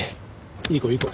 いい子いい子。